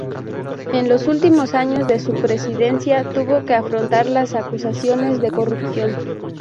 En los últimos años de su presidencia tuvo que afrontar las acusaciones de corrupción.